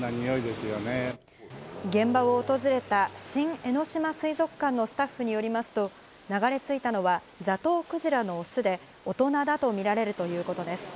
現場を訪れた新江ノ島水族館のスタッフによりますと、流れ着いたのは、ザトウクジラの雄で、大人だと見られるということです。